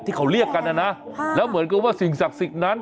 ที่เขาเรียกกันนะนะแล้วเหมือนกับว่าสิ่งศักดิ์สิทธิ์นั้น